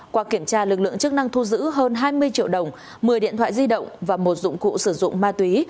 qua kiểm tra lực lượng chức năng thu giữ hơn hai mươi triệu đồng một mươi điện thoại di động và một dụng cụ sử dụng ma túy